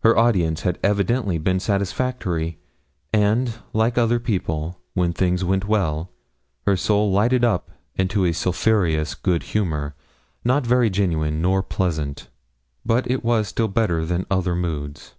Her audience had evidently been satisfactory, and, like other people, when things went well, her soul lighted up into a sulphureous good humour, not very genuine nor pleasant, but still it was better than other moods.